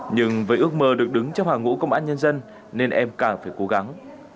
nhưng với ước mơ được đứng trong hàng ngũ công an nhân dân nên em càng phải cố gắng